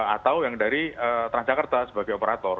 atau yang dari transjakarta sebagai operator